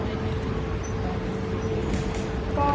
คุยกัน